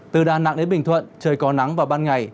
từ đà nẵng đến bình thuận trời có nắng vào ban ngày